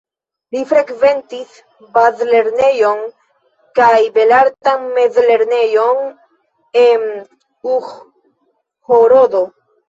Li frekventis bazlernejon kaj belartan mezlernejon en Uĵhorodo.